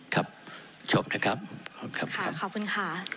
ครับชบนะครับขอบคุณค่ะขอบคุณค่ะขอบคุณค่ะขอบคุณค่ะ